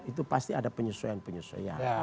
itu pasti ada penyesuaian penyesuaian